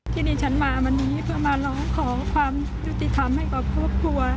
ที่ดิฉันมาวันนี้เพื่อมาร้องขอความยุติธรรมให้กับครอบครัว